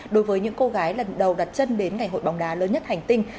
đối với những cô gái lần đầu đặt chân đến ngày hội bóng đá lớn nhất hành tinh